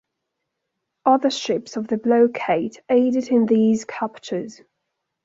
Other ships of the blockade aided in these captures.